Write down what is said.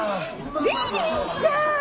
リリーちゃん！